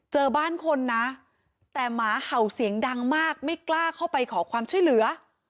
เจอบ้านคนนะแต่หมาเห่าเสียงดังมากไม่กล้าเข้าไปขอความช่วยเหลือ